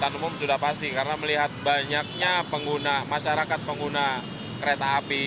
ya kan anggota umum sudah pasti dari melihat banyaknya masyarakat pengguna kereta api